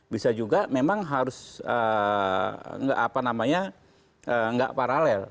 bisa juga memang harus apa namanya gak paralel